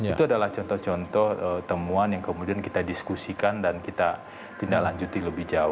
itu adalah contoh contoh temuan yang kemudian kita diskusikan dan kita tindak lanjuti lebih jauh